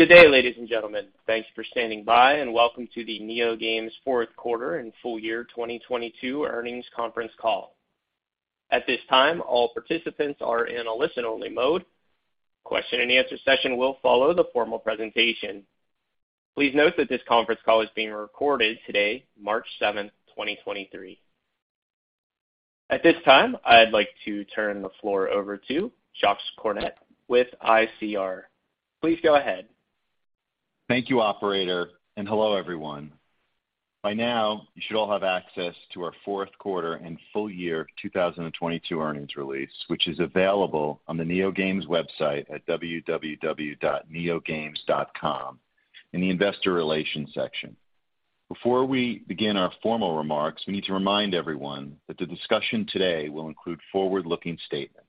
Good day, ladies and gentlemen. Thanks for standing by. Welcome to the NeoGames fourth quarter and full year 2022 earnings conference call. At this time, all participants are in a listen-only mode. Question and answer session will follow the formal presentation. Please note that this conference call is being recorded today, March 7th, 2023. At this time, I'd like to turn the floor over to Jacques Cornet with ICR. Please go ahead. Thank you, operator, and hello, everyone. By now, you should all have access to our fourth quarter and full year 2022 earnings release, which is available on the NeoGames website at www.neogames.com in the investor relations section. Before we begin our formal remarks, we need to remind everyone that the discussion today will include forward-looking statements.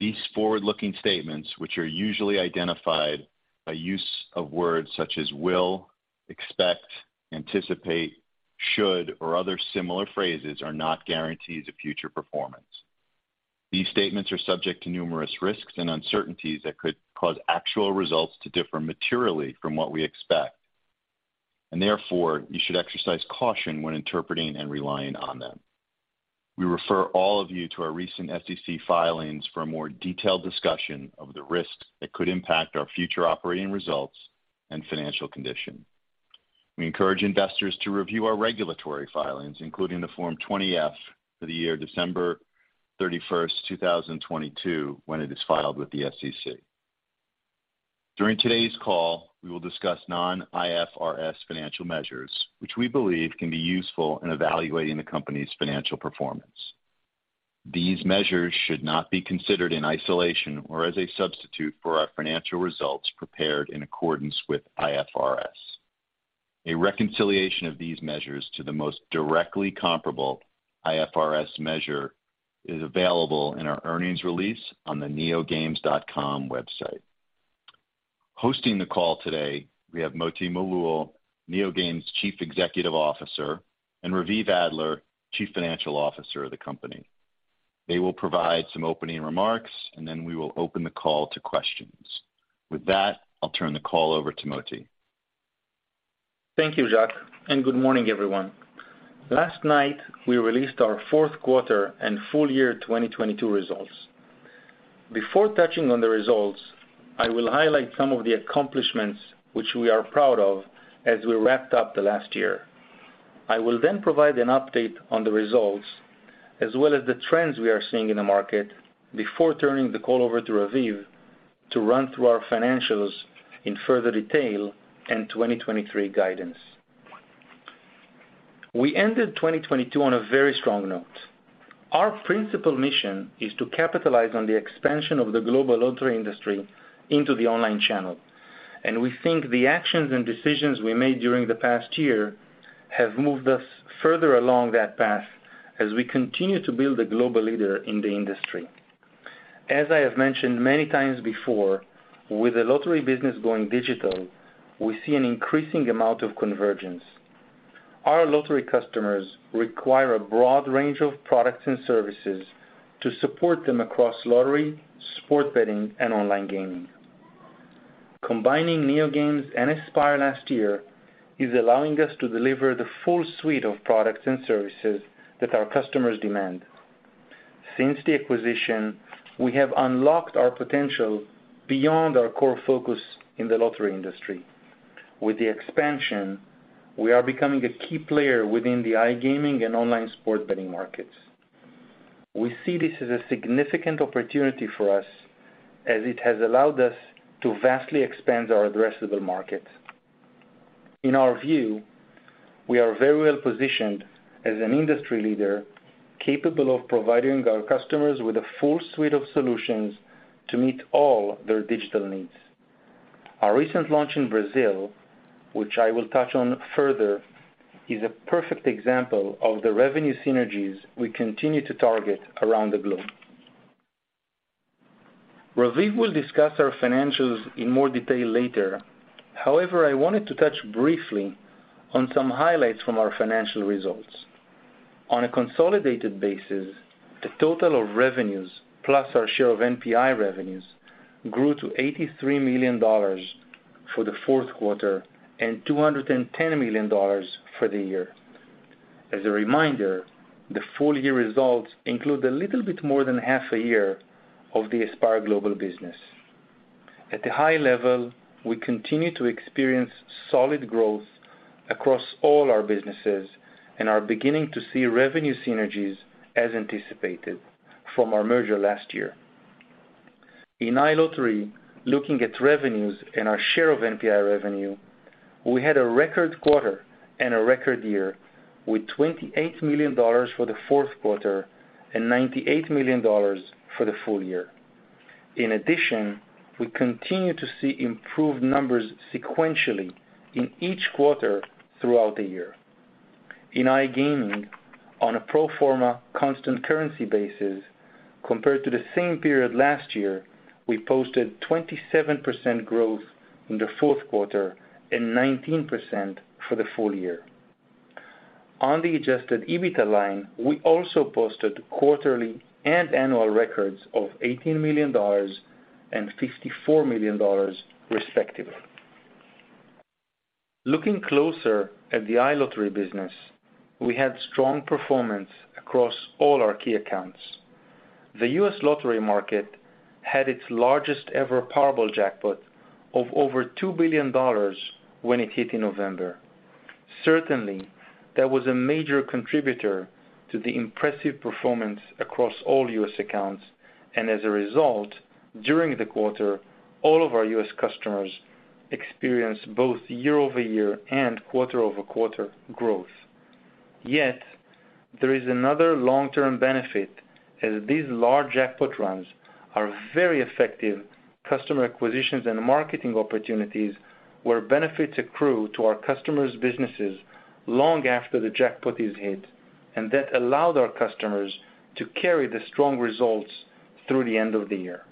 These forward-looking statements, which are usually identified by use of words such as will, expect, anticipate, should, or other similar phrases, are not guarantees of future performance. These statements are subject to numerous risks and uncertainties that could cause actual results to differ materially from what we expect. Therefore, you should exercise caution when interpreting and relying on them. We refer all of you to our recent SEC filings for a more detailed discussion of the risks that could impact our future operating results and financial condition. We encourage investors to review our regulatory filings, including the Form 20-F for the year December 31, 2022, when it is filed with the SEC. During today's call, we will discuss non-IFRS financial measures, which we believe can be useful in evaluating the company's financial performance. These measures should not be considered in isolation or as a substitute for our financial results prepared in accordance with IFRS. A reconciliation of these measures to the most directly comparable IFRS measure is available in our earnings release on the neogames.com website. Hosting the call today, we have Moti Malul, NeoGames Chief Executive Officer, and Raviv Adler, Chief Financial Officer of the company. They will provide some opening remarks, and then we will open the call to questions. I'll turn the call over to Moti. Thank you, Jacques. Good morning, everyone. Last night, we released our fourth quarter and full year 2022 results. Before touching on the results, I will highlight some of the accomplishments which we are proud of as we wrapped up the last year. I will then provide an update on the results, as well as the trends we are seeing in the market before turning the call over to Raviv to run through our financials in further detail and 2023 guidance. We ended 2022 on a very strong note. Our principal mission is to capitalize on the expansion of the global lottery industry into the online channel. We think the actions and decisions we made during the past year have moved us further along that path as we continue to build a global leader in the industry. As I have mentioned many times before, with the lottery business going digital, we see an increasing amount of convergence. Our lottery customers require a broad range of products and services to support them across lottery, sports betting, and online gaming. Combining NeoGames and Aspire last year is allowing us to deliver the full suite of products and services that our customers demand. Since the acquisition, we have unlocked our potential beyond our core focus in the lottery industry. With the expansion, we are becoming a key player within the iGaming and Online Sports Betting markets. We see this as a significant opportunity for us as it has allowed us to vastly expand our addressable market. In our view, we are very well-positioned as an industry leader, capable of providing our customers with a full suite of solutions to meet all their digital needs. Our recent launch in Brazil, which I will touch on further, is a perfect example of the revenue synergies we continue to target around the globe. Raviv will discuss our financials in more detail later. However, I wanted to touch briefly on some highlights from our financial results. On a consolidated basis, the total of revenues, plus our share of NPI revenues, grew to $83 million for the fourth quarter and $210 million for the year. As a reminder, the full year results include a little bit more than half a year of the Aspire Global business. At the high level, we continue to experience solid growth across all our businesses and are beginning to see revenue synergies as anticipated from our merger last year. In iLottery, looking at revenues and our share of NPI revenue, we had a record quarter and a record year with $28 million for the fourth quarter and $98 million for the full year. In addition, we continue to see improved numbers sequentially in each quarter throughout the year. In iGaming, on a pro forma constant currency basis, compared to the same period last year, we posted 27% growth in the fourth quarter and 19% for the full year. On the Adjusted EBITDA line, we also posted quarterly and annual records of $18 million and $54 million respectively. Looking closer at the iLottery business, we had strong performance across all our key accounts. The U.S. lottery market had its largest ever Powerball jackpot of over $2 billion when it hit in November. Certainly, that was a major contributor to the impressive performance across all U.S. accounts. As a result, during the quarter, all of our U.S. customers experienced both year-over-year and quarter-over-quarter growth. There is another long-term benefit as these large jackpot runs are very effective customer acquisitions and marketing opportunities where benefits accrue to our customers' businesses long after the jackpot is hit, and that allowed our customers to carry the strong results through the end of the year.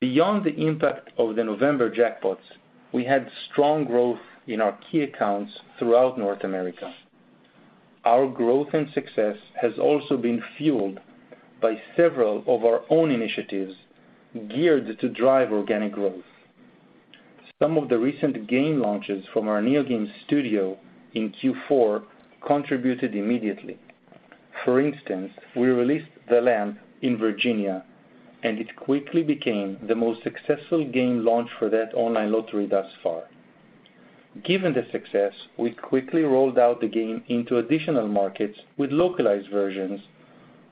Beyond the impact of the November jackpots, we had strong growth in our key accounts throughout North America. Our growth and success has also been fueled by several of our own initiatives geared to drive organic growth. Some of the recent game launches from our NeoGames Studio in Q4 contributed immediately. For instance, we released The Lamp in Virginia, and it quickly became the most successful game launch for that online lottery thus far. Given the success, we quickly rolled out the game into additional markets with localized versions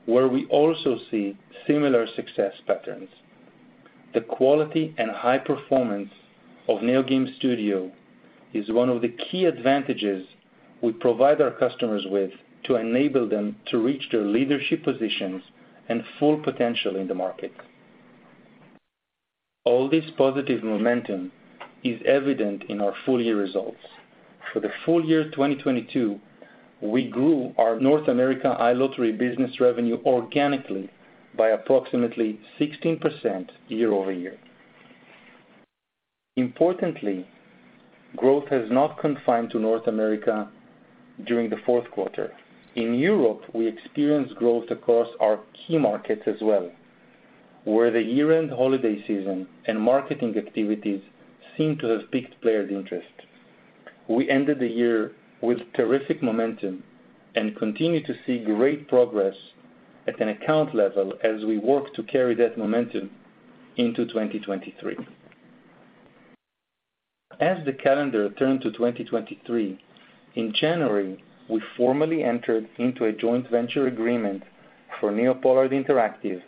where we also see similar success patterns. The quality and high performance of NeoGames Studio is one of the key advantages we provide our customers with to enable them to reach their leadership positions and full potential in the market. All this positive momentum is evident in our full year results. For the full year 2022, we grew our North America iLottery business revenue organically by approximately 16% year-over-year. Importantly, growth has not confined to North America during the Q4. In Europe, we experienced growth across our key markets as well, where the year-end holiday season and marketing activities seem to have piqued players' interest. We ended the year with terrific momentum and continue to see great progress at an account level as we work to carry that momentum into 2023. The calendar turned to 2023, in January, we formally entered into a joint venture agreement for NeoPollard Interactive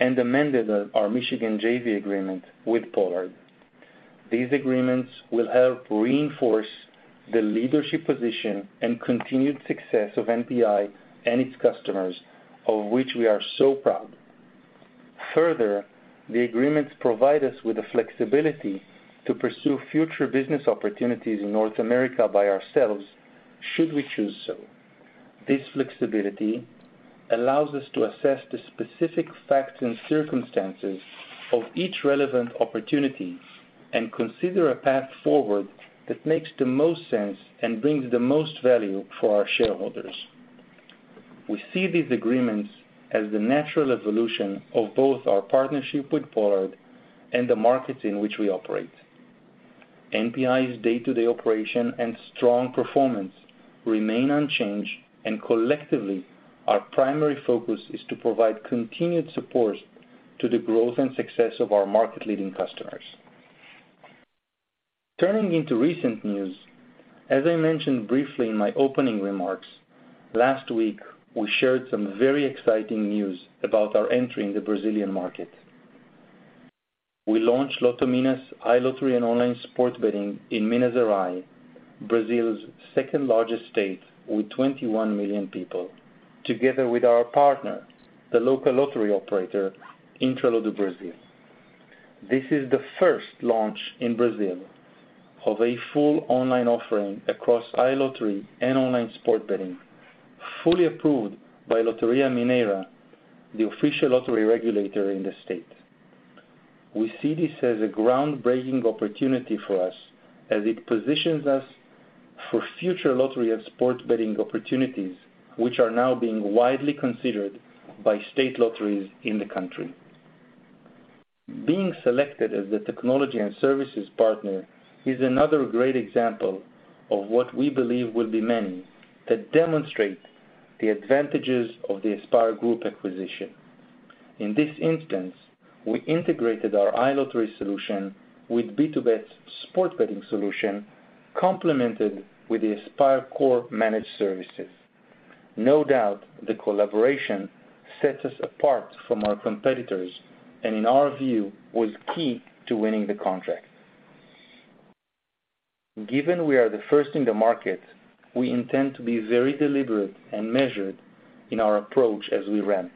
and amended our Michigan JV agreement with Pollard. These agreements will help reinforce the leadership position and continued success of NPI and its customers, of which we are so proud. Further, the agreements provide us with the flexibility to pursue future business opportunities in North America by ourselves, should we choose so. This flexibility allows us to assess the specific facts and circumstances of each relevant opportunity and consider a path forward that makes the most sense and brings the most value for our shareholders. We see these agreements as the natural evolution of both our partnership with Pollard and the markets in which we operate. NPI's day-to-day operation and strong performance remain unchanged. Collectively, our primary focus is to provide continued support to the growth and success of our market-leading customers. Turning into recent news, as I mentioned briefly in my opening remarks, last week, we shared some very exciting news about our entry in the Brazilian market. We launched LotoMinas iLottery and online sports betting in Minas Gerais, Brazil's second-largest state with 21 million people, together with our partner, the local lottery operator, Intralot do Brasil. This is the first launch in Brazil of a full online offering across iLottery and online sports betting, fully approved by Loteria Mineira, the official lottery regulator in the state. We see this as a groundbreaking opportunity for us as it positions us for future lottery and sports betting opportunities, which are now being widely considered by state lotteries in the country. Being selected as the technology and services partner is another great example of what we believe will be many that demonstrate the advantages of the Aspire Group acquisition. In this instance, we integrated our iLottery solution with BtoBet's sports betting solution, complemented with the Aspire Core managed services. No doubt the collaboration sets us apart from our competitors and in our view, was key to winning the contract. Given we are the first in the market, we intend to be very deliberate and measured in our approach as we ramp,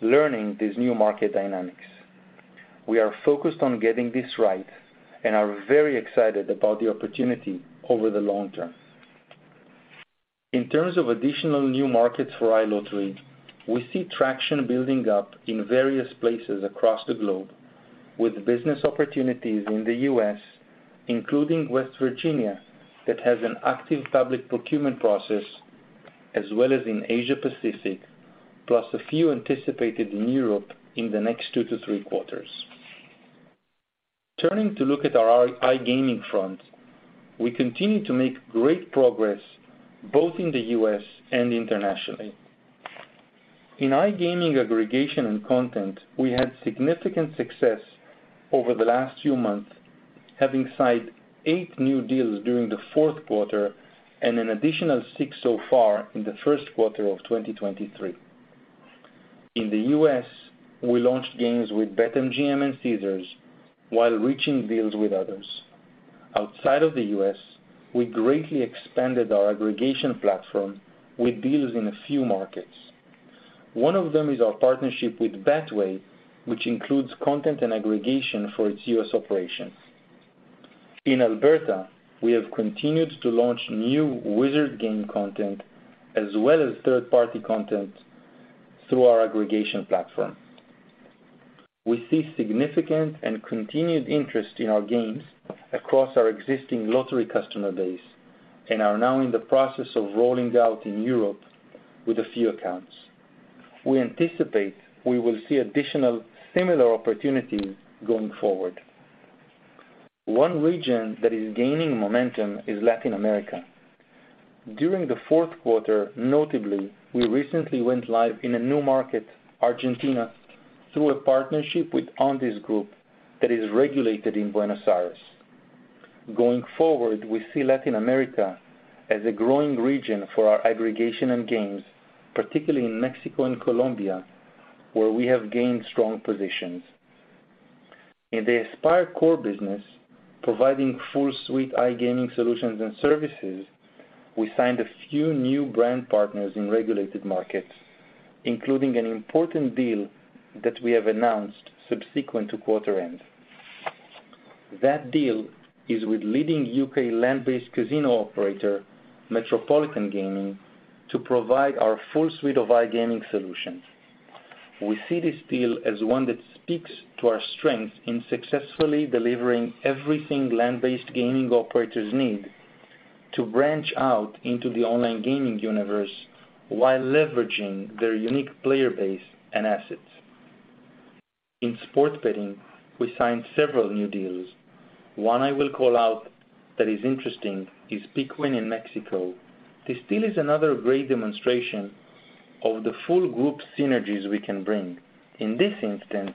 learning these new market dynamics. We are focused on getting this right and are very excited about the opportunity over the long term. In terms of additional new markets for iLottery, we see traction building up in various places across the globe. With business opportunities in the U.S., including West Virginia, that has an active public procurement process, as well as in Asia Pacific, plus a few anticipated in Europe in the next two to three quarters. Turning to look at our iGaming front, we continue to make great progress both in the U.S. and internationally. In iGaming aggregation and content, we had significant success over the last few months, having signed eight new deals during the fourth quarter and an additional six so far in the first quarter of 2023. In the U.S., we launched games with BetMGM and Caesars while reaching deals with others. Outside of the U.S., we greatly expanded our aggregation platform with deals in a few markets. One of them is our partnership with Betway, which includes content and aggregation for its US operations. In Alberta, we have continued to launch new Wizard Games content as well as third-party content through our aggregation platform. We see significant and continued interest in our games across our existing lottery customer base and are now in the process of rolling out in Europe with a few accounts. We anticipate we will see additional similar opportunities going forward. One region that is gaining momentum is Latin America. During the fourth quarter, notably, we recently went live in a new market, Argentina, through a partnership with Ondiss Group that is regulated in Buenos Aires. Going forward, we see Latin America as a growing region for our aggregation and games, particularly in Mexico and Colombia, where we have gained strong positions. In the Aspire Core business, providing full suite iGaming solutions and services, we signed a few new brand partners in regulated markets, including an important deal that we have announced subsequent to quarter end. That deal is with leading U.K. Land-based casino operator, Metropolitan Gaming, to provide our full suite of iGaming solutions. We see this deal as one that speaks to our strength in successfully delivering everything land-based gaming operators need to branch out into the online gaming universe while leveraging their unique player base and assets. In sports betting, we signed several new deals. One I will call out that is interesting is PickWin in Mexico. This deal is another great demonstration of the full group synergies we can bring. In this instance,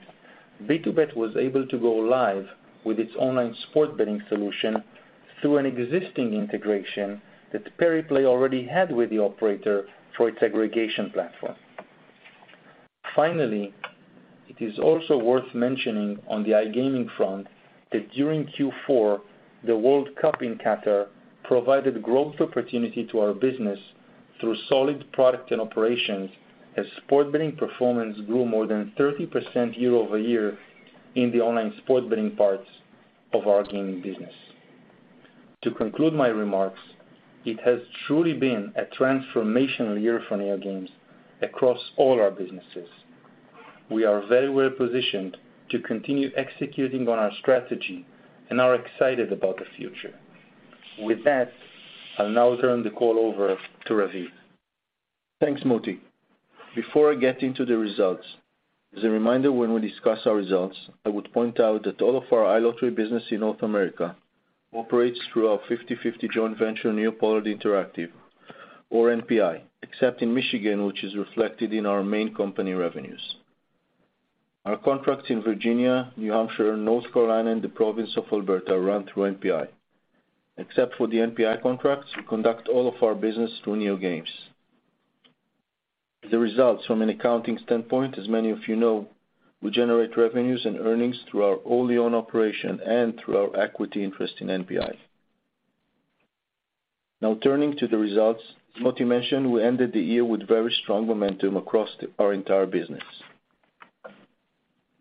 BtoBet was able to go live with its online sports betting solution through an existing integration that Pariplay already had with the operator through its aggregation platform. Finally, it is also worth mentioning on the iGaming front that during Q4, the World Cup in Qatar provided growth opportunity to our business through solid product and operations as sports betting performance grew more than 30% year-over-year in the online sports betting parts of our gaming business. To conclude my remarks, it has truly been a transformational year for NeoGames across all our businesses. We are very well-positioned to continue executing on our strategy and are excited about the future. With that, I'll now turn the call over to Raviv. Thanks, Moti. As a reminder when we discuss our results, I would point out that all of our iLottery business in North America operates through our 50/50 joint venture, NeoPollard Interactive, or NPI, except in Michigan, which is reflected in our main company revenues. Our contracts in Virginia, New Hampshire, North Carolina, and the province of Alberta run through NPI. Except for the NPI contracts, we conduct all of our business through NeoGames. From an accounting standpoint, as many of you know, we generate revenues and earnings through our wholly owned operation and through our equity interest in NPI. Turning to the results. Moti mentioned we ended the year with very strong momentum across our entire business.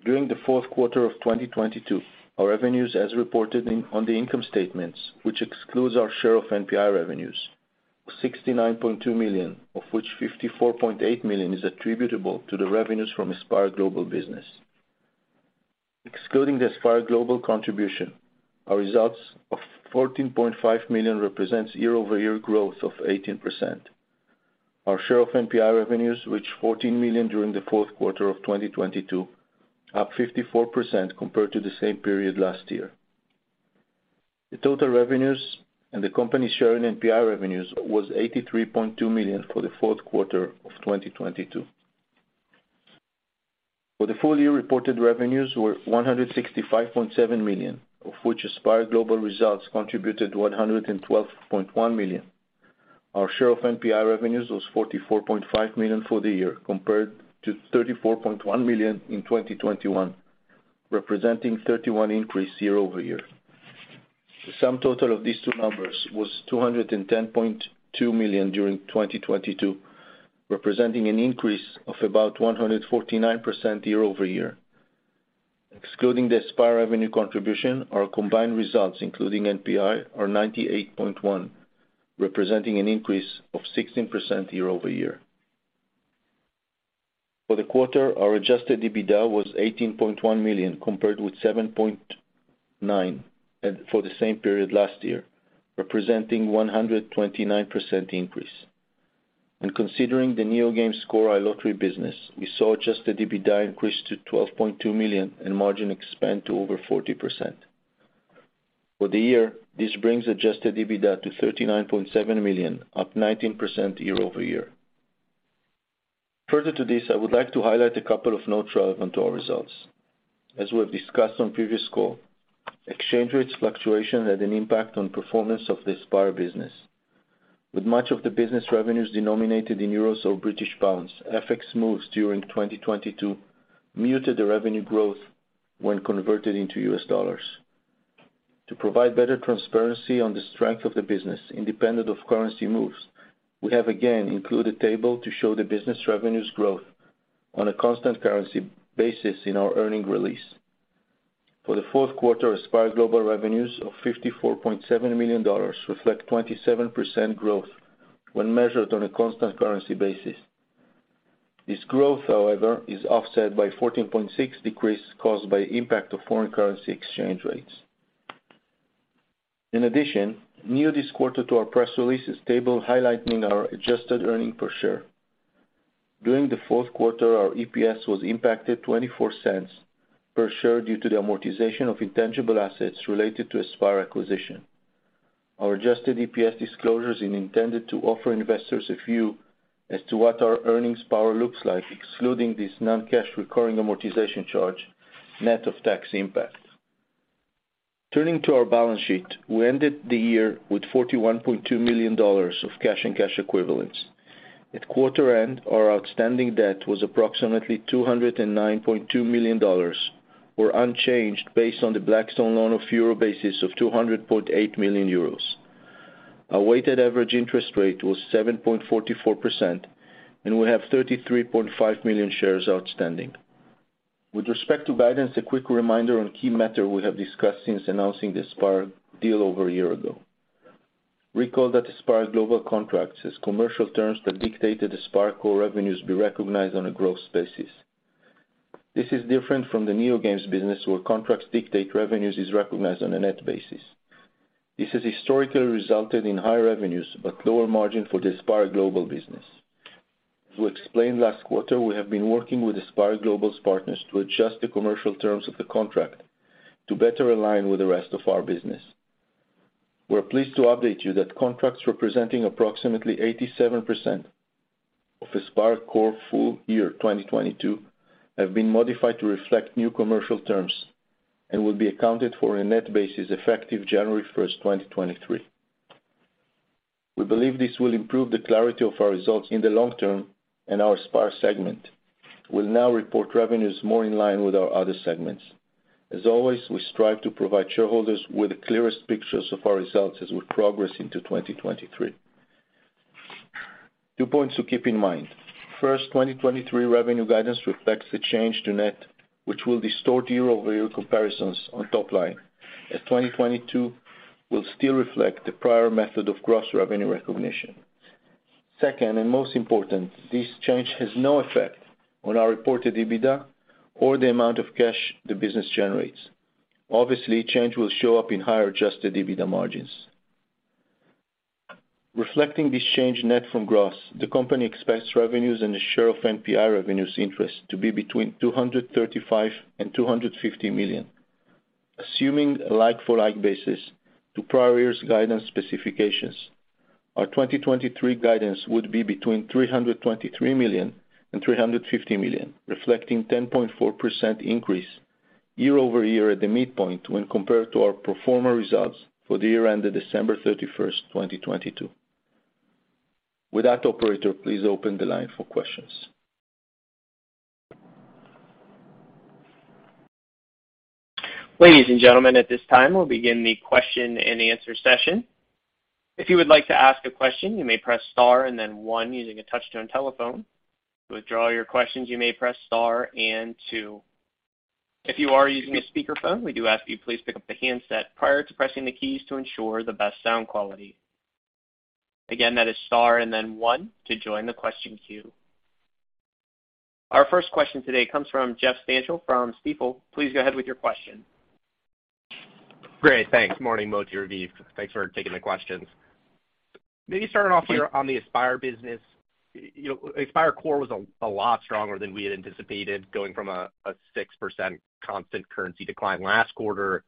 During the fourth quarter of 2022, our revenues as reported on the income statements, which excludes our share of NPI revenues, was $69.2 million, of which $54.8 million is attributable to the revenues from Aspire Global business. Excluding the Aspire Global contribution, our results of $14.5 million represents year-over-year growth of 18%. Our share of NPI revenues reached $14 million during the fourth quarter of 2022, up 54% compared to the same period last year. The total revenues and the company share in NPI revenues was $83.2 million for the fourth quarter of 2022. For the full year, reported revenues were $165.7 million, of which Aspire Global results contributed $112.1 million. Our share of NPI revenues was $44.5 million for the year, compared to $34.1 million in 2021, representing 31% increase year-over-year. The sum total of these two numbers was $210.2 million during 2022, representing an increase of about 149% year-over-year. Excluding the Aspire revenue contribution, our combined results, including NPI, are $98.1 million, representing an increase of 16% year-over-year. For the quarter, our Adjusted EBITDA was $18.1 million compared with $7.9 million for the same period last year, representing 129% increase. When considering the NeoGames Core iLottery business, we saw Adjusted EBITDA increase to $12.2 million and margin expand to over 40%. For the year, this brings Adjusted EBITDA to $39.7 million, up 19% year-over-year. Further to this, I would like to highlight a couple of notes relevant to our results. As we have discussed on previous call, exchange rates fluctuation had an impact on performance of the Aspire business. With much of the business revenues denominated in EUR or GBP, FX moves during 2022 muted the revenue growth when converted into U.S. dollars. To provide better transparency on the strength of the business independent of currency moves, we have again included table to show the business revenues growth on a constant currency basis in our earnings release. For the fourth quarter, Aspire Global revenues of $54.7 million reflect 27% growth when measured on a constant currency basis. This growth, however, is offset by 14.6% decrease caused by impact of foreign currency exchange rates. New this quarter to our press release is table highlighting our Adjusted EPS. During the fourth quarter, our EPS was impacted $0.24 per share due to the amortization of intangible assets related to Aspire acquisition. Our Adjusted EPS disclosures is intended to offer investors a view as to what our earnings power looks like, excluding this non-cash recurring amortization charge, net of tax impact. Turning to our balance sheet, we ended the year with $41.2 million of cash and cash equivalents. At quarter end, our outstanding debt was approximately $209.2 million or unchanged based on the Blackstone loan of EUR basis of 200.8 million euros. Our weighted average interest rate was 7.44%, and we have 33.5 million shares outstanding. With respect to guidance, a quick reminder on key matter we have discussed since announcing the Aspire deal over a year ago. Recall that Aspire Global contracts has commercial terms that dictated Aspire Core revenues be recognized on a gross basis. This is different from the NeoGames business, where contracts dictate revenues is recognized on a net basis. This has historically resulted in high revenues but lower margin for the Aspire Global business. As we explained last quarter, we have been working with Aspire Global's partners to adjust the commercial terms of the contract to better align with the rest of our business. We're pleased to update you that contracts representing approximately 87% of Aspire Core full year 2022 have been modified to reflect new commercial terms and will be accounted for a net basis effective January 1st, 2023. We believe this will improve the clarity of our results in the long term. Our Aspire segment will now report revenues more in line with our other segments. As always, we strive to provide shareholders with the clearest pictures of our results as we progress into 2023. Two points to keep in mind. First, 2023 revenue guidance reflects the change to net, which will distort year-over-year comparisons on top line, as 2022 will still reflect the prior method of gross revenue recognition. Second, most important, this change has no effect on our reported EBITDA or the amount of cash the business generates. Obviously, change will show up in higher Adjusted EBITDA margins. Reflecting this change net from gross, the company expects revenues and the share of NPI revenues interest to be between $235 million and $250 million. Assuming a like for like basis to prior year's guidance specifications, our 2023 guidance would be between $323 million and $350 million, reflecting 10.4% increase year-over-year at the midpoint when compared to our pro forma results for the year ended December 31, 2022. Operator, please open the line for questions. Ladies and gentlemen, at this time, we'll begin the question-and-answer session. If you would like to ask a question, you may press star and then one using a touch-tone telephone. To withdraw your questions, you may press star and two. If you are using a speakerphone, we do ask you please pick up the handset prior to pressing the keys to ensure the best sound quality. Again, that is star and then one to join the question queue. Our first question today comes from Jeff Stantial from Stifel. Please go ahead with your question. Great. Thanks. Morning, Moti, Raviv. Thanks for taking the questions. Maybe starting off here on the Aspire business. You know, Aspire Core was a lot stronger than we had anticipated, going from a 6% constant currency decline last quarter,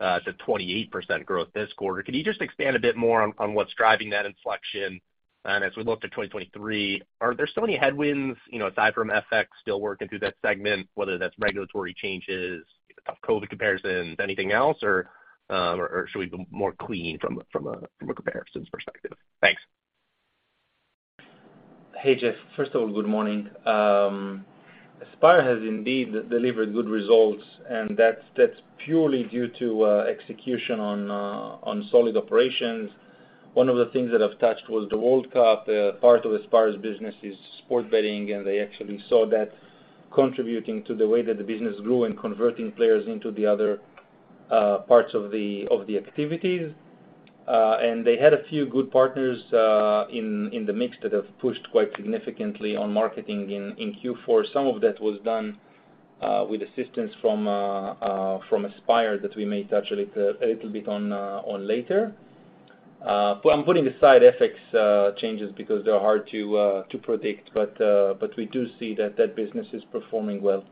to 28% growth this quarter. Could you just expand a bit more on what's driving that inflection? As we look to 2023, are there still any headwinds, you know, aside from FX still working through that segment, whether that's regulatory changes, tough COVID comparisons, anything else, or should we be more clean from a comparisons perspective? Thanks. Hey, Jeff. First of all, good morning. Aspire has indeed delivered good results, and that's purely due to execution on solid operations. One of the things that I've touched was the World Cup. Part of Aspire's business is sport betting, and they actually saw that contributing to the way that the business grew and converting players into the other parts of the activities. They had a few good partners in the mix that have pushed quite significantly on marketing in Q4. Some of that was done with assistance from Aspire that we may touch a little bit on later. I'm putting aside FX changes because they are hard to predict, but we do see that that business is performing well.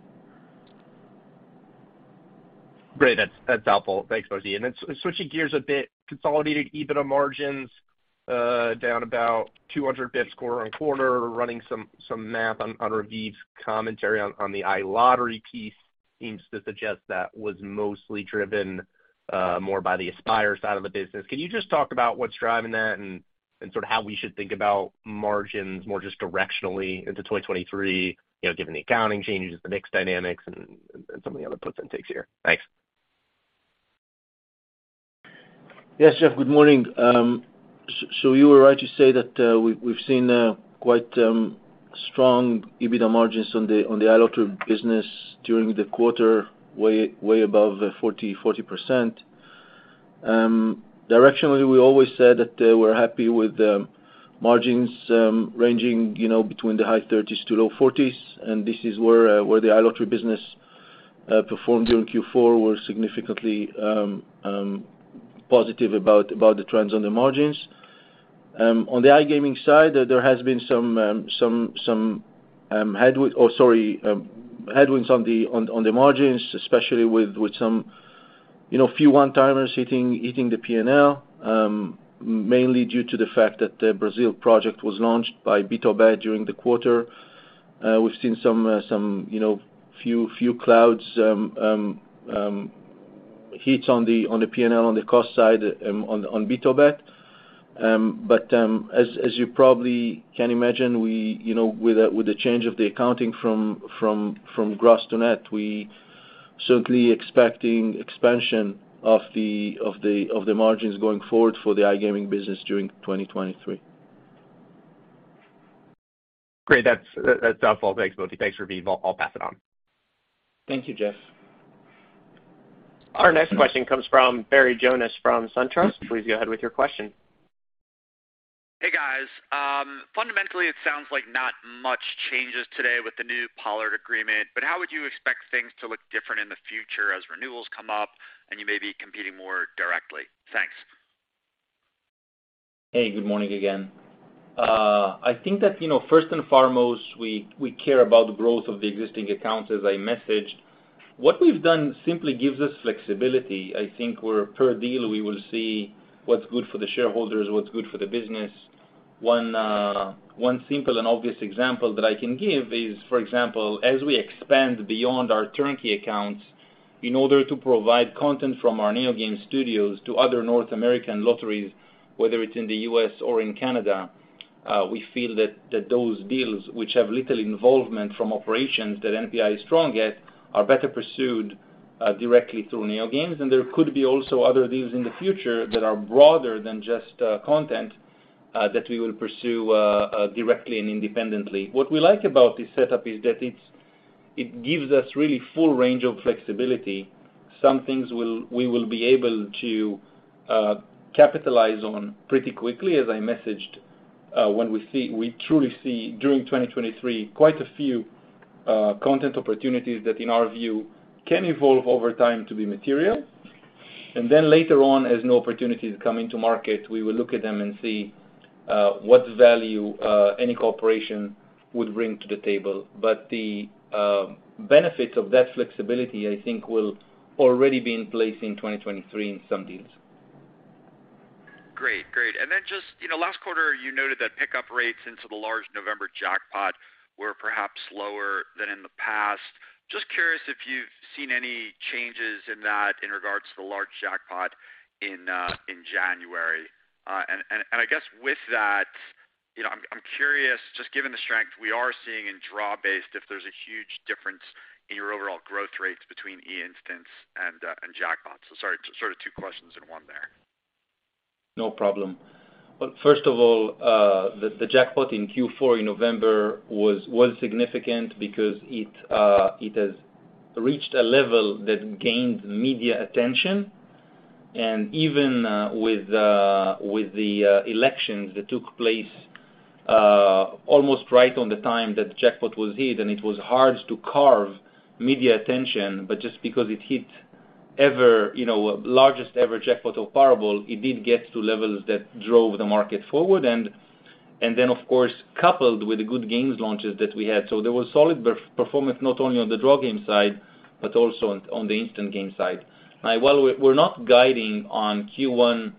Great. That's helpful. Thanks, Moti. Then switching gears a bit, consolidated EBITDA margins down about 200 bits quarter on quarter. Running some math on Raviv's commentary on the iLottery piece seems to suggest that was mostly driven more by the Aspire side of the business. Can you just talk about what's driving that and sort of how we should think about margins more just directionally into 2023, you know, given the accounting changes, the mix dynamics and some of the other puts and takes here? Thanks. Yes Jeff, good morning. You were right to say that we've seen quite strong EBITDA margins on the iLottery business during the quarter, way above 40%. Directionally, we always said that we're happy with margins ranging, you know, between the high 30s to low 40s, and this is where the iLottery business performed during Q4. We're significantly positive about the trends on the margins. On the iGaming side, there has been some headwinds on the margins, especially with some, you know, few one-timers hitting the P&L, mainly due to the fact that the Brazil project was launched by BtoBet during the quarter. We've seen some, you know, few clouds, hits on the P&L on the cost side, on BtoBet. As you probably can imagine, we, you know, with the change of the accounting from gross to net, we certainly expecting expansion of the margins going forward for the iGaming business during 2023. Great. That's, that's helpful. Thanks, Moti. Thanks, Raviv. I'll pass it on. Thank you, Jeff. Our next question comes from Barry Jonas from Truist Securities. Please go ahead with your question. Hey, guys. Fundamentally it sounds like not much changes today with the new Pollard agreement, but how would you expect things to look different in the future as renewals come up and you may be competing more directly? Thanks. Hey, good morning again. I think that, you know, first and foremost, we care about the growth of the existing accounts as I messaged. What we've done simply gives us flexibility. I think per deal, we will see what's good for the shareholders, what's good for the business. One simple and obvious example that I can give is, for example, as we expand beyond our turnkey accounts in order to provide content from our NeoGames studios to other North American lotteries, whether it's in the U.S. or in Canada, we feel that those deals which have little involvement from operations that NPI is strong at are better pursued directly through NeoGames. There could be also other deals in the future that are broader than just content that we will pursue directly and independently. What we like about this setup is that it gives us really full range of flexibility. Some things we will be able to capitalize on pretty quickly as I messaged, when we truly see during 2023 quite a few content opportunities that in our view, can evolve over time to be material. Later on, as new opportunities come into market, we will look at them and see what value any cooperation would bring to the table. The benefits of that flexibility, I think will already be in place in 2023 in some deals. Great. Great. Then just, you know, last quarter you noted that pickup rates into the large November jackpot were perhaps lower than in the past. Just curious if you've seen any changes in that in regards to the large jackpot in January. I guess with that, you know, I'm curious, just given the strength we are seeing in draw-based, if there's a huge difference in your overall growth rates between eInstants and jackpots. Sorry, sort of two questions in one there. No problem. Well, first of all, the jackpot in Q4 in November was significant because it has reached a level that gained media attention. Even with the elections that took place almost right on the time that the jackpot was hit, it was hard to carve media attention, just because it hit ever, you know, largest ever jackpot of Powerball, it did get to levels that drove the market forward, and of course, coupled with the good games launches that we had. There was solid performance not only on the draw game side, but also on the instant game side. We're not guiding on Q1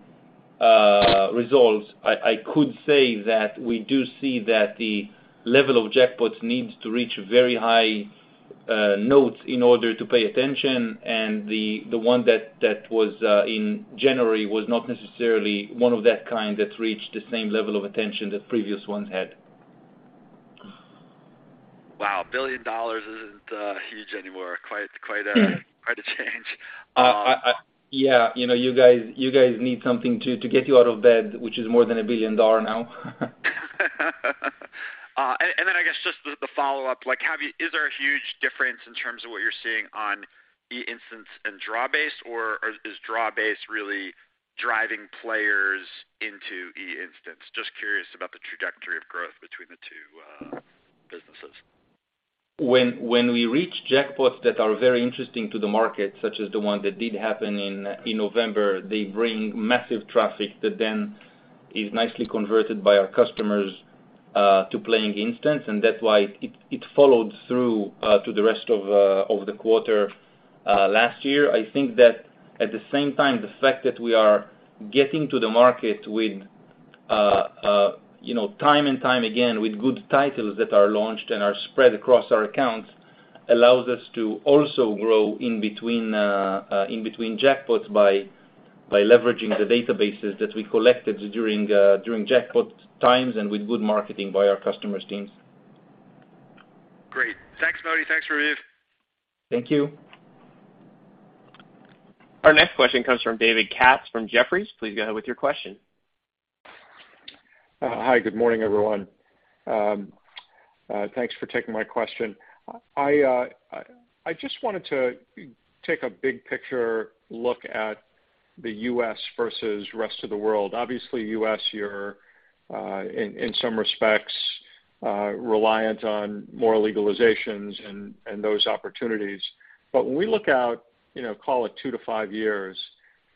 results, I could say that we do see that the level of jackpots needs to reach very high notes in order to pay attention, and the one that was in January was not necessarily one of that kind that reached the same level of attention that previous ones had. Wow. A $1 billion isn't huge anymore. Quite a change. Yeah. You know, you guys need something to get you out of bed, which is more than $1 billion now. I guess just the follow-up, like is there a huge difference in terms of what you're seeing on eInstant and draw-based, or is draw-based really driving players into eInstant? Just curious about the trajectory of growth between the two businesses. When we reach jackpots that are very interesting to the market, such as the one that did happen in November, they bring massive traffic that then is nicely converted by our customers to playing Instants, and that's why it followed through to the rest of the quarter last year. I think that at the same time, the fact that we are getting to the market with, you know, time and time again with good titles that are launched and are spread across our accounts allows us to also grow in between jackpots by leveraging the databases that we collected during jackpot times and with good marketing by our customers' teams. Great. Thanks, Moti. Thanks, Raviv. Thank you. Our next question comes from David Katz from Jefferies. Please go ahead with your question. Hi, good morning, everyone. Thanks for taking my question. I just wanted to take a big picture look at the U.S. versus rest of the world. Obviously, U.S., you're in some respects reliant on more legalizations and those opportunities. When we look out, you know, call it two to five years,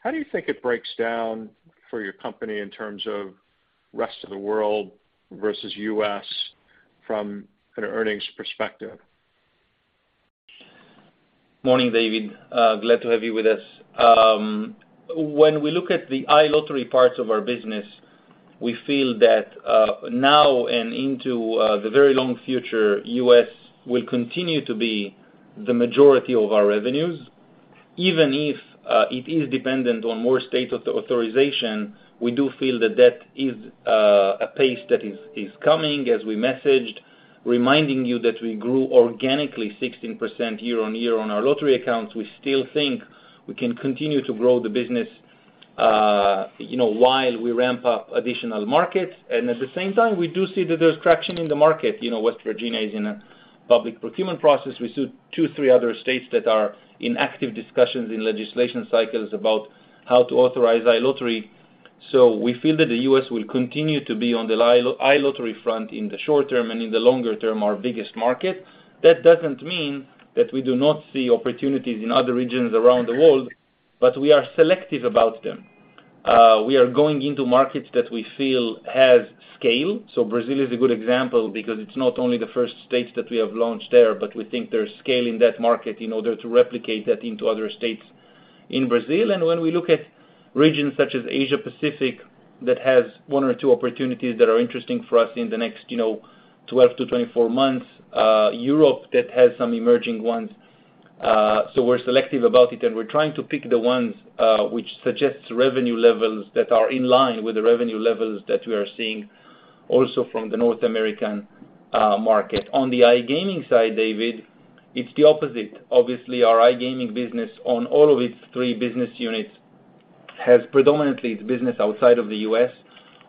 how do you think it breaks down for your company in terms of rest of the world versus U.S. from an earnings perspective? Morning, David. glad to have you with us. When we look at the iLottery parts of our business, we feel that now and into the very long future, U.S. will continue to be the majority of our revenues. Even if it is dependent on more state authorization, we do feel that that is a pace that is coming as we messaged, reminding you that we grew organically 16% year-over-year on our lottery accounts. We still think we can continue to grow the business, you know, while we ramp up additional markets. At the same time, we do see that there's traction in the market. You know, West Virginia is in a public procurement process. We see two, three other states that are in active discussions in legislation cycles about how to authorize iLottery. We feel that the U.S. will continue to be on the iLottery front in the short term and in the longer term, our biggest market. That doesn't mean that we do not see opportunities in other regions around the world, but we are selective about them. We are going into markets that we feel has scale. Brazil is a good example because it's not only the first states that we have launched there, but we think there's scale in that market in order to replicate that into other states in Brazil. When we look at regions such as Asia Pacific that has one or two opportunities that are interesting for us in the next, you know, 12-24 months, Europe that has some emerging ones, we're selective about it. We're trying to pick the ones which suggests revenue levels that are in line with the revenue levels that we are seeing also from the North American market. On the iGaming side, David, it's the opposite. Obviously, our iGaming business on all of its three business units has predominantly its business outside of the U.S.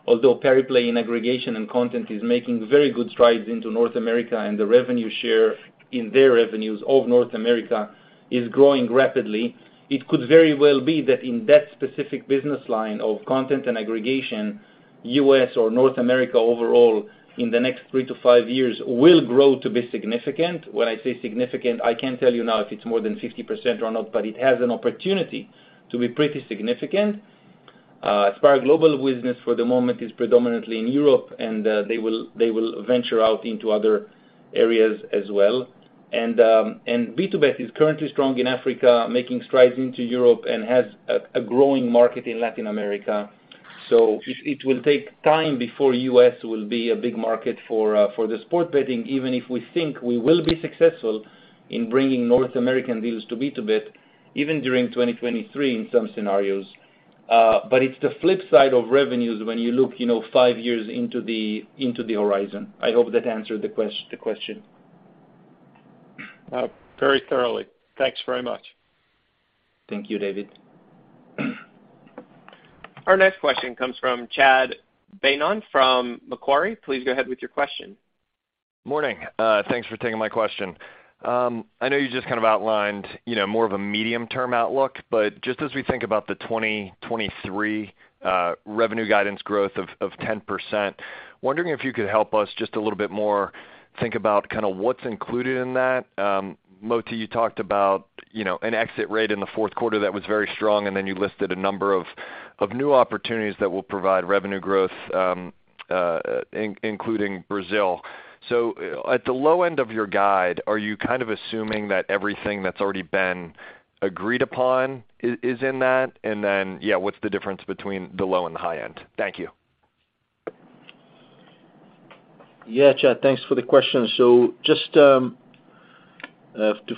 Although Pariplay in aggregation and content is making very good strides into North America, and the revenue share in their revenues of North America is growing rapidly. It could very well be that in that specific business line of content and aggregation, U.S. or North America overall in the next three to five years will grow to be significant. When I say significant, I can't tell you now if it's more than 50% or not, but it has an opportunity to be pretty significant. Aspire Global business for the moment is predominantly in Europe. They will venture out into other areas as well. BtoBet is currently strong in Africa, making strides into Europe and has a growing market in Latin America. It will take time before U.S. will be a big market for sports betting, even if we think we will be successful in bringing North American deals to BtoBet, even during 2023 in some scenarios. It's the flip side of revenues when you look, you know, 5 years into the horizon. I hope that answered the question. Very thoroughly. Thanks very much. Thank you, David. Our next question comes from Chad Beynon from Macquarie. Please go ahead with your question. Morning. Thanks for taking my question. I know you just kind of outlined, you know, more of a medium-term outlook, but just as we think about the 2023 revenue guidance growth of 10%, wondering if you could help us just a little bit more think about kind of what's included in that. Moti, you talked about, you know, an exit rate in the fourth quarter that was very strong, and then you listed a number of new opportunities that will provide revenue growth, including Brazil. At the low end of your guide, are you kind of assuming that everything that's already been agreed upon is in that? Yeah, what's the difference between the low and the high end? Thank you. Yeah, Chad, thanks for the question. To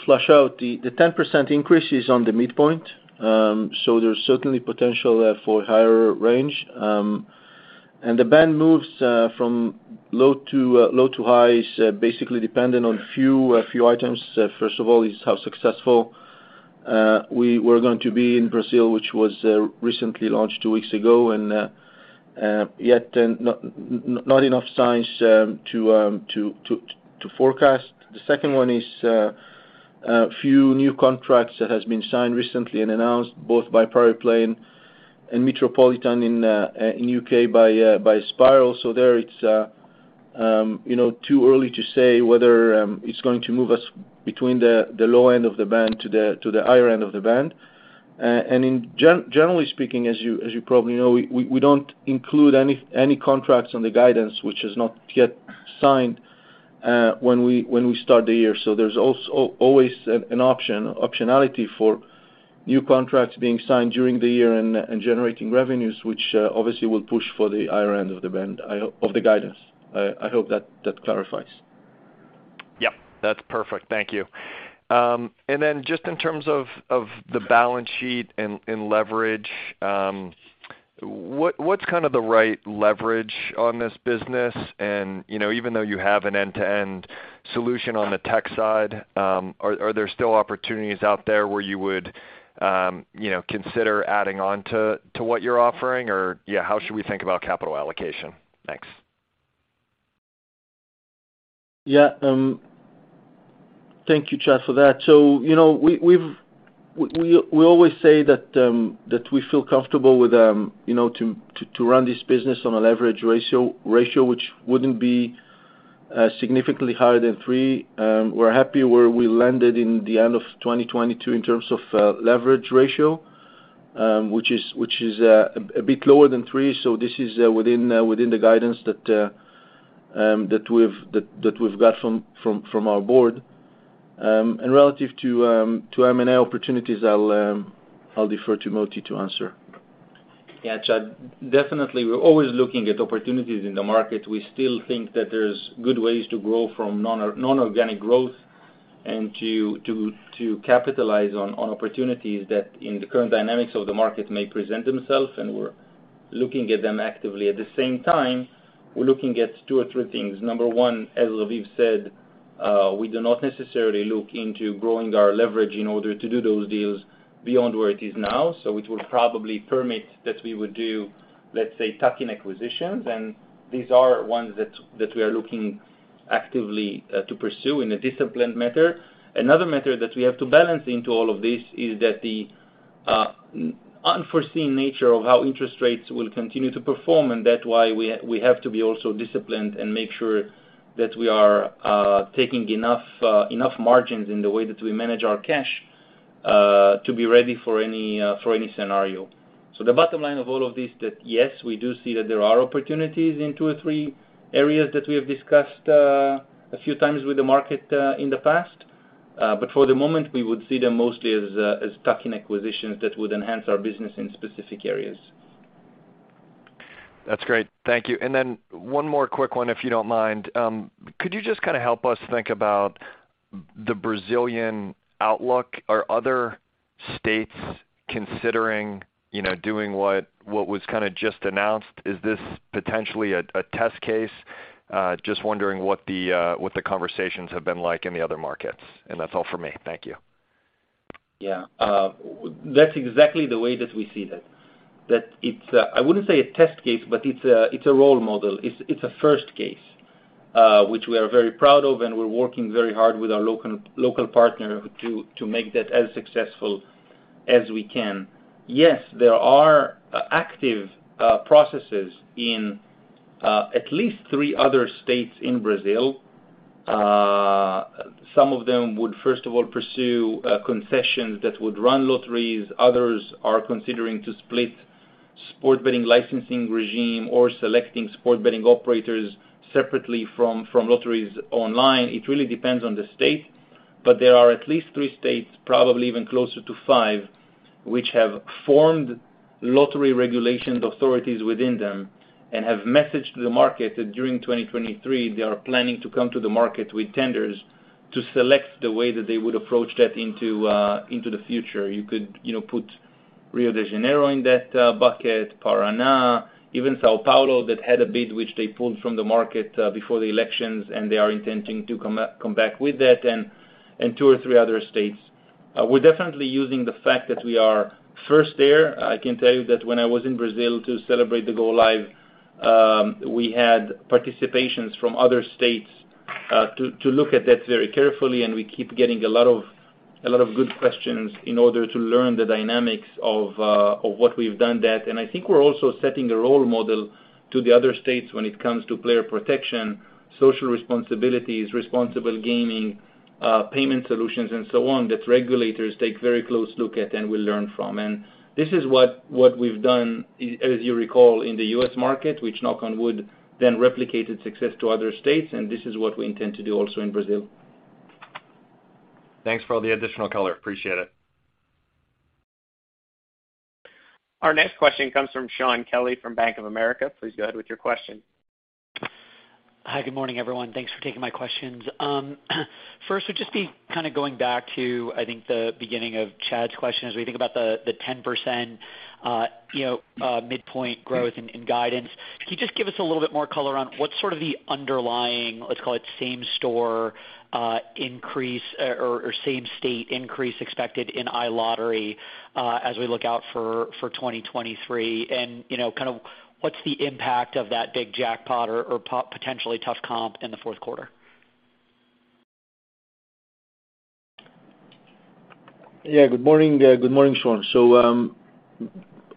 flush out, the 10% increase is on the midpoint. There's certainly potential for higher range. The band moves from low to high is basically dependent on a few items. Is how successful. We were going to be in Brazil, which was recently launched two weeks ago, yet not enough signs to forecast. The second one is a few new contracts that has been signed recently and announced both by Pariplay and Metropolitan in U.K. by Aspire. There it's, you know, too early to say whether it's going to move us between the low end of the band to the higher end of the band. Generally speaking, as you, as you probably know, we don't include any contracts on the guidance which is not yet signed when we start the year. There's always an option, optionality for new contracts being signed during the year and generating revenues, which obviously will push for the higher end of the band. I hope. Of the guidance. I hope that clarifies. Yep, that's perfect. Thank you. Then just in terms of the balance sheet and leverage, what's kind of the right leverage on this business? You know, even though you have an end-to-end solution on the tech side, are there still opportunities out there where you would, you know, consider adding on to what you're offering? Or, yeah, how should we think about capital allocation? Thanks. Thank you, Chad, for that. You know, we, we always say that we feel comfortable with, you know, to, to run this business on a leverage ratio which wouldn't be significantly higher than three. We're happy where we landed in the end of 2022 in terms of leverage ratio, which is, which is a bit lower than three. This is within within the guidance that we've got from our board. And relative to M&A opportunities, I'll defer to Moti to answer. Yeah, Chad, definitely, we're always looking at opportunities in the market. We still think that there's good ways to grow from non-organic growth and to capitalize on opportunities that in the current dynamics of the market may present themselves, and we're looking at them actively. At the same time, we're looking at two or three things. Number one, as Raviv said, we do not necessarily look into growing our leverage in order to do those deals beyond where it is now. Which will probably permit that we would do, let's say, tuck-in acquisitions, and these are ones that we are looking actively to pursue in a disciplined manner. Another manner that we have to balance into all of this is that the unforeseen nature of how interest rates will continue to perform, and that's why we have to be also disciplined and make sure that we are taking enough margins in the way that we manage our cash to be ready for any, for any scenario. The bottom line of all of this is that, yes, we do see that there are opportunities in two or three areas that we have discussed a few times with the market, in the past. For the moment, we would see them mostly as tuck-in acquisitions that would enhance our business in specific areas. That's great. Thank you. Then one more quick one, if you don't mind. Could you just kind of help us think about the Brazilian outlook? Are other states considering, you know, doing what was kind of just announced? Is this potentially a test case? Just wondering what the, what the conversations have been like in the other markets. That's all for me. Thank you. Yeah. That's exactly the way that we see that it's I wouldn't say a test case, but it's a, it's a role model. It's, it's a first case, which we are very proud of, and we're working very hard with our local partner to make that as successful as we can. Yes, there are active processes in at least three other states in Brazil. Some of them would, first of all, pursue concessions that would run lotteries. Others are considering to split sport betting licensing regime or selecting sport betting operators separately from lotteries online. It really depends on the state, but there are at least 3 states, probably even closer to 5, which have formed lottery regulation authorities within them and have messaged the market that during 2023, they are planning to come to the market with tenders to select the way that they would approach that into the future. You could, you know, put Rio de Janeiro in that bucket, Paraná, even São Paulo, that had a bid which they pulled from the market before the elections, and they are intending to come back with that and two or three other states. We're definitely using the fact that we are first there. I can tell you that when I was in Brazil to celebrate the go-live, we had participations from other states to look at that very carefully, and we keep getting a lot of good questions in order to learn the dynamics of what we've done that. I think we're also setting a role model to the other states when it comes to player protection, social responsibilities, responsible gaming, payment solutions, and so on, that regulators take very close look at and will learn from. This is what we've done, as you recall, in the U.S. market, which, knock on wood, replicated success to other states, this is what we intend to do also in Brazil. Thanks for all the additional color. Appreciate it. Our next question comes from Shaun Kelley from Bank of America. Please go ahead with your question. Hi, good morning, everyone. Thanks for taking my questions. First, would just be kind of going back to, I think, the beginning of Chad's question as we think about the 10%, you know, midpoint growth in guidance. Can you just give us a little bit more color on what's sort of the underlying, let's call it same store, increase or same state increase expected in iLottery as we look out for 2023? You know, kind of what's the impact of that big jackpot or potentially tough comp in the fourth quarter? Yeah, good morning. Good morning, Shaun.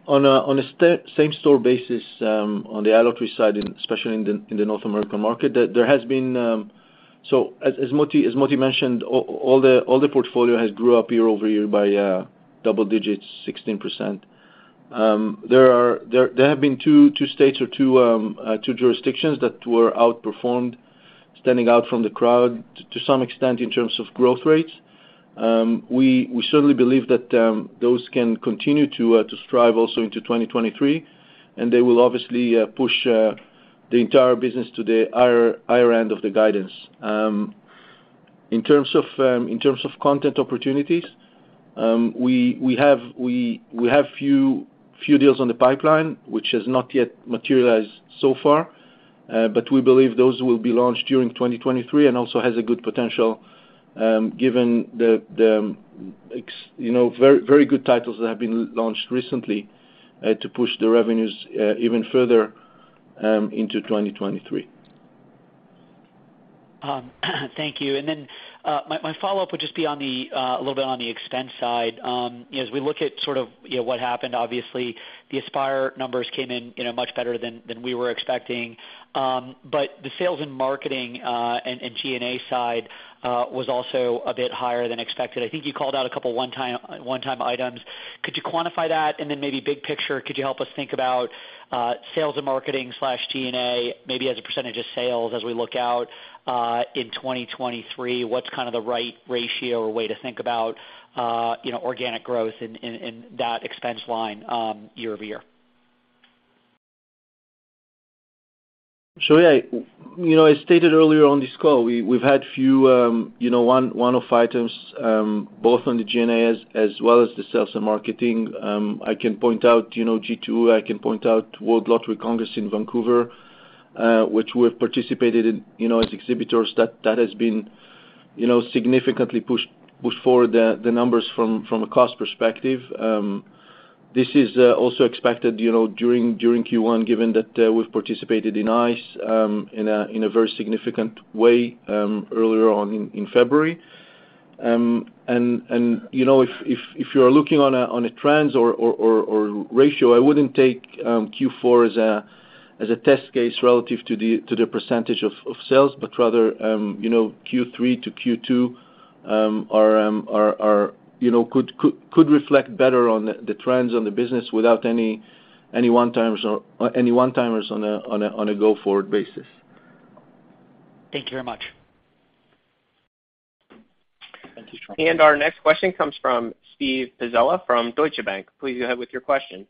On a same store basis, on the iLottery side, and especially in the North American market, there has been. As Moti mentioned, all the portfolio has grew up year-over-year by double digits, 16%. There have been two states or two jurisdictions that were outperformed standing out from the crowd to some extent in terms of growth rates. We certainly believe that those can continue to strive also into 2023, and they will obviously push the entire business to the higher end of the guidance. In terms of, in terms of content opportunities, we have few deals on the pipeline which has not yet materialized so far, but we believe those will be launched during 2023 and also has a good potential, given the you know, very good titles that have been launched recently, to push the revenues, even further, into 2023. Thank you. My follow-up would just be on the a little bit on the expense side. As we look at sort of, you know, what happened, obviously the Aspire numbers came in, you know, much better than than we were expecting. The sales and marketing and G&A side was also a bit higher than expected. I think you called out a couple one-time, one-time items. Could you quantify that? Maybe big picture, could you help us think about sales and marketing slash G&A maybe as a percentage of sales as we look out in 2023? What's kind of the right ratio or way to think about, you know, organic growth in that expense line year-over-year? Sure, yeah. You know, I stated earlier on this call, we've had few, you know, one-off items, both on the G&A as well as the sales and marketing. I can point out, you know, G2E, I can point out World Lottery Summit in Vancouver, which we've participated in, you know, as exhibitors. That has been, you know, significantly pushed forward the numbers from a cost perspective. This is also expected, you know, during Q1, given that we've participated in ICE in a very significant way earlier on in February. You know, if you are looking on a trends or ratio, I wouldn't take Q4 as a test case relative to the percentage of sales. Rather, you know, Q3 to Q2, are, you know, could reflect better on the trends on the business without any one-times or any one-timers on a go-forward basis. Thank you very much. Thank you, Shaun. Our next question comes from Steven Pizzella from Deutsche Bank. Please go ahead with your question.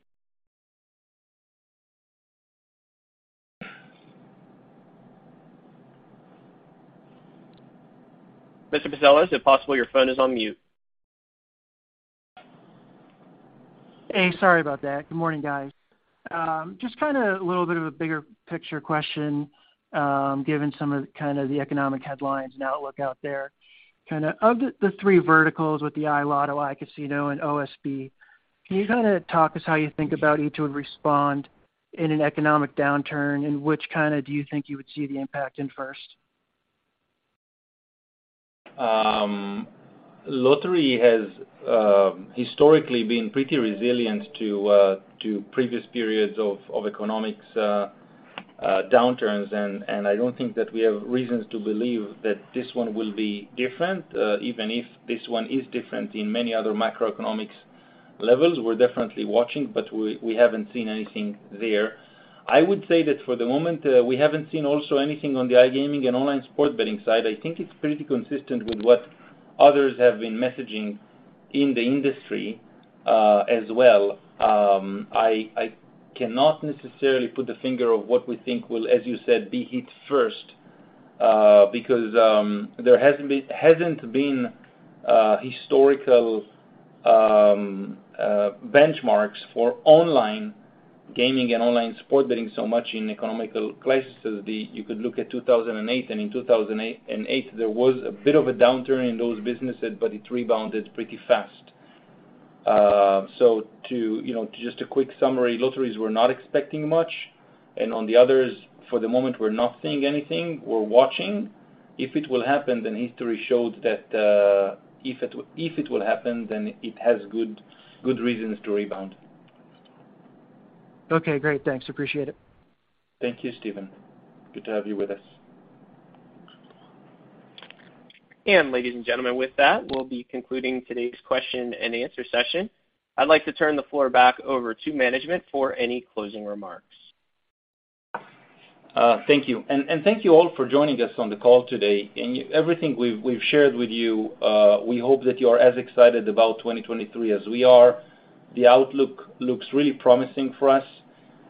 Mr. Pizzella, is it possible your phone is on mute? Hey, sorry about that. Good morning, guys. Just kind of a little bit of a bigger picture question, given some of the kind of the economic headlines and outlook out there. Kind of the three verticals with the iLottery, iCasino, and OSB, can you kind of talk us how you think about each would respond in an economic downturn, and which kind of do you think you would see the impact in first? Lottery has historically been pretty resilient to previous periods of economics downturns, and I don't think that we have reasons to believe that this one will be different, even if this one is different in many other macroeconomics levels. We're definitely watching, but we haven't seen anything there. I would say that for the moment, we haven't seen also anything on the iGaming and online sports betting side. I think it's pretty consistent with what others have been messaging in the industry as well. I cannot necessarily put the finger of what we think will, as you said, be hit first, because there hasn't been historical benchmarks for online gaming and online sports betting so much in economical crisis. You could look at 2008, and in 2008, there was a bit of a downturn in those businesses, but it rebounded pretty fast. To, you know, to just a quick summary, lotteries we're not expecting much, and on the others, for the moment, we're not seeing anything. We're watching. If it will happen, then history shows that, if it will happen, then it has good reasons to rebound. Okay, great. Thanks, appreciate it. Thank you, Steven. Good to have you with us. Ladies and gentlemen, with that, we'll be concluding today's question and answer session. I'd like to turn the floor back over to management for any closing remarks. Thank you. Thank you all for joining us on the call today. Everything we've shared with you, we hope that you are as excited about 2023 as we are. The outlook looks really promising for us.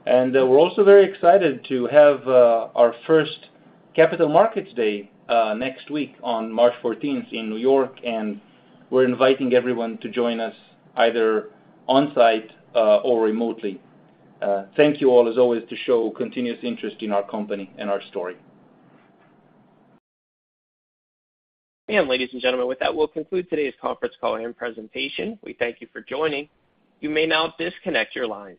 We're also very excited to have our first capital markets day next week on March 14 in New York, and we're inviting everyone to join us either on-site or remotely. Thank you all as always to show continuous interest in our company and our story. Ladies and gentlemen, with that, we'll conclude today's conference call and presentation. We thank you for joining. You may now disconnect your lines.